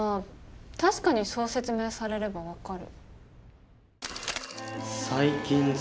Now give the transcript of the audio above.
確かにそう説明されれば分かる。